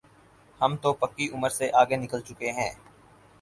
ہم تو پکی عمر سے آگے نکل چکے ہیں۔